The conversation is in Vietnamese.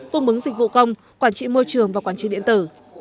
cung bứng dịch vụ công quản trị môi trường và quản trị điện tử